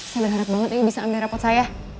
saya berharap banget ibu bisa ambil rapot saya